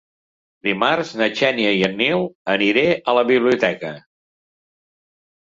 Dimarts na Xènia i en Nil aniré a la biblioteca.